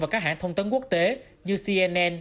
và các hãng thông tấn quốc tế như cnn